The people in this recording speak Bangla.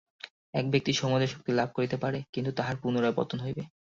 এক ব্যক্তি সমুদয় শক্তি লাভ করিতে পারে, কিন্তু তাহার পুনরায় পতন হইবে।